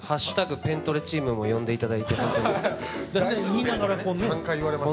ペントレチームも呼んでいただいてホントに３回言われました